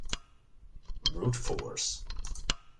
Brute Force